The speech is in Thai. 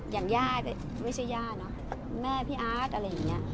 อย่างย่าไม่ใช่ย่าเนอะแม่พี่อาร์ตอะไรอย่างนี้